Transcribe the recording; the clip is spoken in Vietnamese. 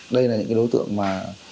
đây là những đối tượng mà